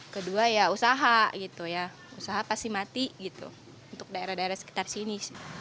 kedua ya usaha gitu ya usaha pasti mati gitu untuk daerah daerah sekitar sini